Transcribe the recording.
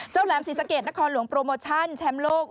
แหลมศรีสะเกดนครหลวงโปรโมชั่นแชมป์โลก